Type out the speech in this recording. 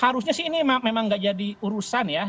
harusnya sih ini memang nggak jadi urusan ya